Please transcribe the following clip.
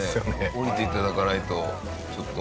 降りて頂かないとちょっと。